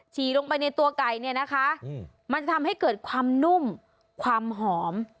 ฉี่ลงไปในตัวไก่เนี่ยนะคะมันจะทำให้เกิดความนุ่มความหอม